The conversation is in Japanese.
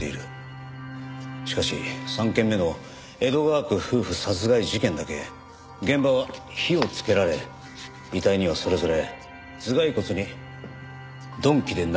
しかし３件目の江戸川区夫婦殺害事件だけ現場は火をつけられ遺体にはそれぞれ頭蓋骨に鈍器で殴られた形跡があった。